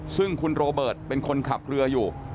ซึ่งคุณโรเบิร์ตเป็นคนขับเรืออยู่